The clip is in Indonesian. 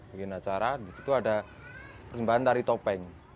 bikin acara disitu ada persembahan dari topeng